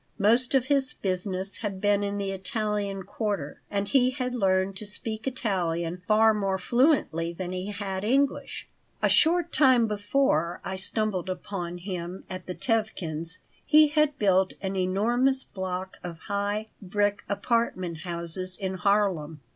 Most of his business had been in the Italian quarter and he had learned to speak Italian far more fluently than he had English. A short time before I stumbled upon him at the Tevkins' he had built an enormous block of high, brick apartment houses in Harlem.